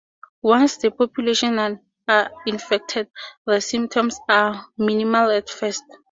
Once the populations are infected, the symptoms are minimal at first.